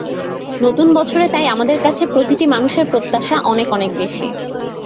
নতুন বছরে তাই আমাদের কাছে প্রতিটি মানুষের প্রত্যাশা অনেক অনেক বেশি।